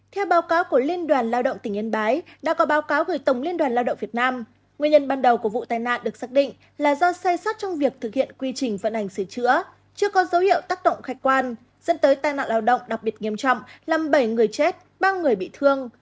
theo báo cáo của liên đoàn lao động tỉnh yên bái đã có báo cáo gửi tổng liên đoàn lao động việt nam nguyên nhân ban đầu của vụ tai nạn được xác định là do sai sót trong việc thực hiện quy trình vận hành sửa chữa chưa có dấu hiệu tác động khách quan dẫn tới tai nạn lao động đặc biệt nghiêm trọng làm bảy người chết ba người bị thương